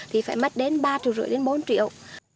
thì phải mất đến ba triệu rưỡi đến bốn triệu